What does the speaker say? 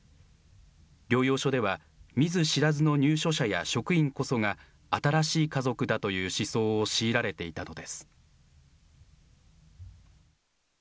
療養所では、見ず知らずの入所者や職員こそが新しい家族だという思想を強いられていたのです。